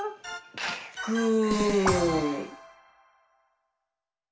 グー！